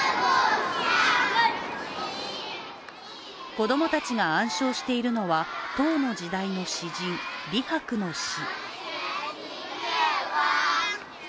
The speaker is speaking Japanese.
子供たちが暗唱しているのは唐の時代の詩人、李白の詩。